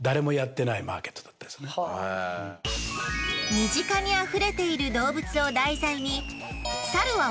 身近にあふれている動物を題材に。